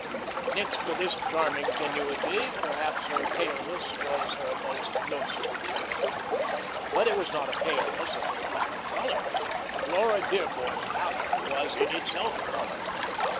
Next to this charming tenuity, perhaps her paleness was her most noticeable trait. But it was not a paleness of lack of colour. Laura Dearborn's pallour was in itself a colour.